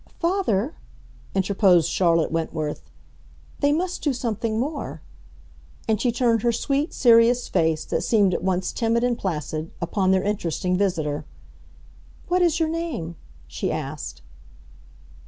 "Father," interposed Charlotte Wentworth, "they must do something more." And she turned her sweet, serious face, that seemed at once timid and placid, upon their interesting visitor. "What is your name?" she asked.